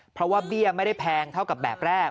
เพราะว่าเบี้ยไม่ได้แพงเท่ากับแบบแรก